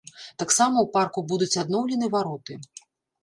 Таксама ў парку будуць адноўлены вароты.